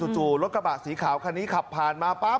ผู้หญิงขาวคันนี้ขับผ่านมาปั๊บ